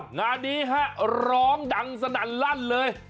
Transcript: อ๋องานนี้ครับร้องดังฝนันลั่นเลย